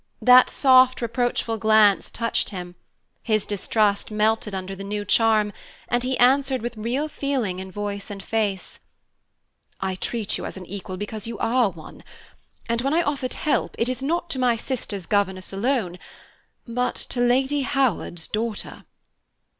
That soft, reproachful glance touched him, his distrust melted under the new charm, and he answered with real feeling in voice and face, "I treat you as an equal because you are one; and when I offered help, it is not to my sister's governess alone, but to Lady Howard's daughter."